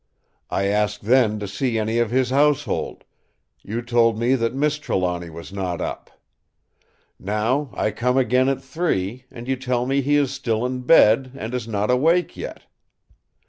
I asked then to see any of his household; you told me that Miss Trelawny was not up. Now I come again at three, and you tell me he is still in bed, and is not awake yet.